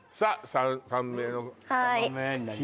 ３番目のはい３番目になります